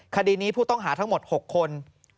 คดีนี้ผู้ต้องหาทั้งหมด๖คน